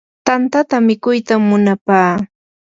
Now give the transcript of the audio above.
tantata mikuytam munapaa.